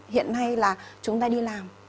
hiện nay là chúng ta đi làm